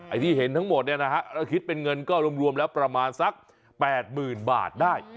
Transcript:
ที่เห็นทั้งหมดเนี่ยนะฮะแล้วคิดเป็นเงินก็รวมแล้วประมาณสัก๘๐๐๐บาทได้